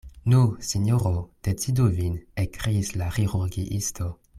Nu, sinjoro, decidu vin, ekkriis la ĥirurgiisto.